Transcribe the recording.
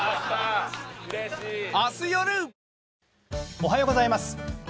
おはようございます。